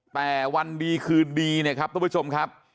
แต่วันดีคืนดีเนี่ยครับทุกผู้ชมครับ